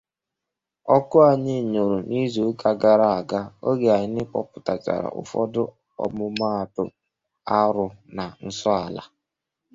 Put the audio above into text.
Ọkụ anyị nyụrụ n'izuụka gara aga oge anyị kpọpụtachara ụfọdụ ọmụmaatụ arụ na nsọala